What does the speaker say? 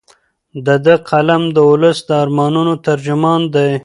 د ده قلم د ولس د ارمانونو ترجمان دی.